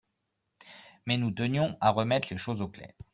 mais nous tenions à remettre les choses au clair.